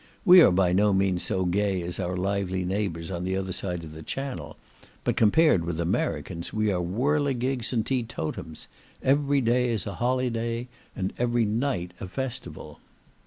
We are by no means so gay as our lively neighbours on the other side the Channel, but, compared with Americans, we are whirligigs and tetotums; every day is a holyday, and every night a festival.